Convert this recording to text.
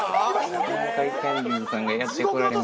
南海キャンディーズさんがやってこられました。